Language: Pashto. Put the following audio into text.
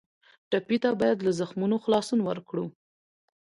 ټپي ته باید له زخمونو خلاصون ورکړو.